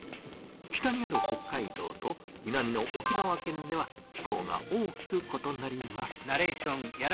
北にある北海道と南の沖縄県では気候が大きくことなります。